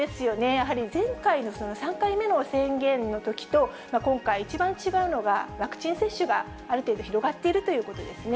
やはり前回の、その３回目の宣言のときと今回、一番違うのが、ワクチン接種がある程度広がっているということですね。